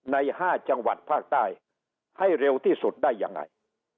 ใน๕จังหวัดภาคใต้ให้เร็วที่สุดได้ยังไง